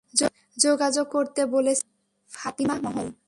যোগাযোগ করতে বলছিলেন, ফাতিমা মহল।